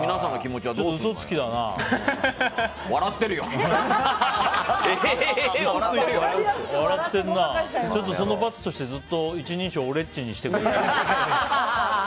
ちょっとその罰として１人称おれっちにしてくれる？